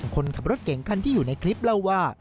คนขับรถเก่งคันที่อยู่ในคลิปเล่าว่า